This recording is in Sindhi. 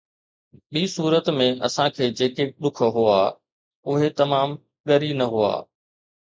ٻي صورت ۾، اسان کي جيڪي ڏک هئا، اهي تمام ڳري نه هئا